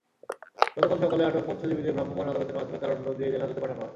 গতকাল সকালে আটক মৎস্যজীবীদের ভ্রাম্যমাণ আদালতের মাধ্যমে কারাদণ্ড দিয়ে জেলহাজতে পাঠানো হয়।